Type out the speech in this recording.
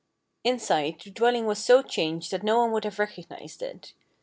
Inside the dwelling was so changed that no one would have recognised it.